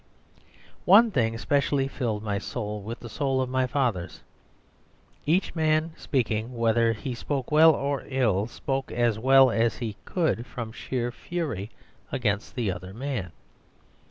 One thing especially filled my soul with the soul of my fathers. Each man speaking, whether he spoke well or ill, spoke as well as he could from sheer fury against the other man.